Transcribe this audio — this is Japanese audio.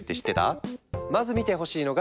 まず見てほしいのがこれ。